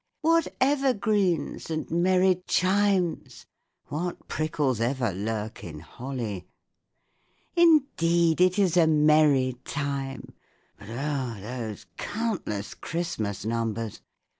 _) What evergreens and merry chimes! (What prickles ever lurk in holly!) Indeed it is a merry time; (_But O! those countless Christmas numbers!